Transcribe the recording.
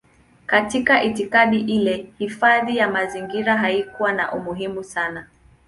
Katika itikadi ile hifadhi ya mazingira haikuwa na umuhimu sana.